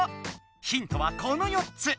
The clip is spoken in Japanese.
ヒントはこの４つ。